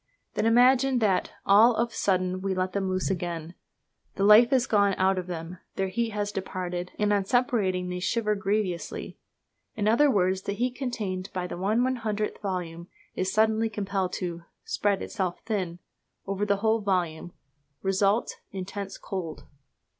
Then imagine that all of a sudden we let them loose again. The life is gone out of them, their heat has departed, and on separating they shiver grievously. In other words, the heat contained by the 1/100 volume is suddenly compelled to "spread itself thin" over the whole volume: result intense cold.